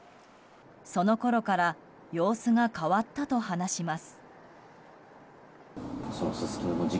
そのころから様子が変わったと話します。